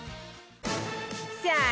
さあ